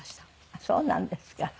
あっそうなんですか。